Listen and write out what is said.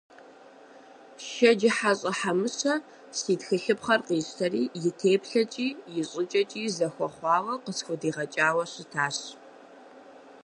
ШэджыхьэщӀэ Хьэмыщэ си тхылъыпхъэр къищтэри, и теплъэкӀи, и щӀыкӀэкӀи зэхуэхъуауэ къысхудигъэкӀауэ щытащ.